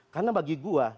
karena bagi gua